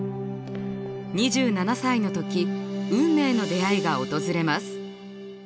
２７歳の時運命の出会いが訪れます。